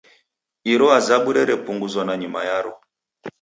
Iro azabu rerepunguzwa nanyuma yaro.